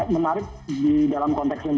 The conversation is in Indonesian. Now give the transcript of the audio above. menarik di dalam konteks yang